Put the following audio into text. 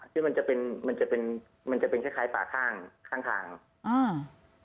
ที่มันจะเป็นมันจะเป็นมันจะเป็นคล้ายคล้ายป่าข้างข้างทางอ่า